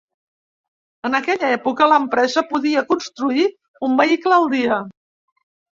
En aquella època, l'empresa podia construir un vehicle al dia.